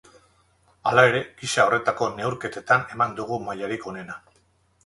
Hala ere, gisa horretako neurketetan eman dugu mailarik onena.